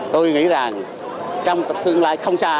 tôi nghĩ rằng trong tập thương lai không xa